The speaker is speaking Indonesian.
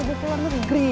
turki sam turki